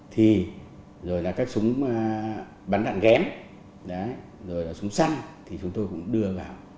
thì rồi là các súng bắn đạn ghém rồi là súng săn thì chúng tôi cũng đưa vào